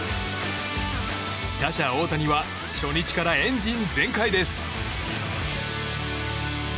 打者・大谷は初日からエンジン全開です。